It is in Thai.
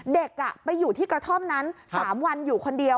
เด็กไปอยู่ที่กระท่อมนั้น๓วันอยู่คนเดียว